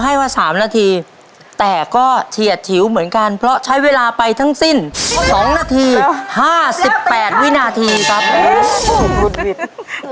ให้มา๓นาทีแต่ก็เฉียดฉิวเหมือนกันเพราะใช้เวลาไปทั้งสิ้น๒นาที๕๘วินาทีครับวุดหวิด